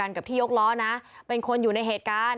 กับที่ยกล้อนะเป็นคนอยู่ในเหตุการณ์